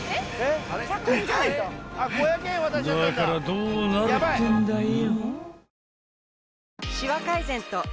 ［だからどうなるってんだよ］